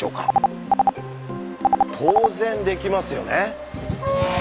当然できますよね。